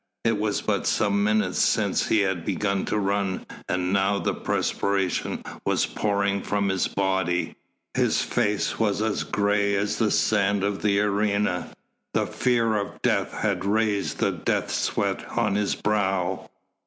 It was but some minutes since he had begun to run, and now the perspiration was pouring from his body, his face was as grey as the sand of the arena, the fear of death had raised the death sweat on his brow.